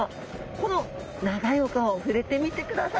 この長いお顔触れてみてください。